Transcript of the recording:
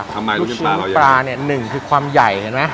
ทำไมลูกชิ้นปลาเราอย่างนี้ลูกชิ้นปลาเนี่ยหนึ่งคือความใหญ่เห็นไหม